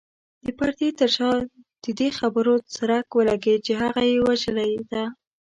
د پردې تر شا د دې خبرې څرک ولګېد چې هغه يې وژلې ده.